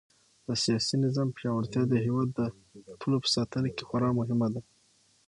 د سیاسي نظام پیاوړتیا د هېواد د پولو په ساتنه کې خورا مهمه ده.